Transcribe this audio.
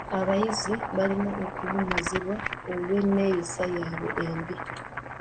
Abayizi balina okuwummuzibwa olw'enneeyisa yabwe embi.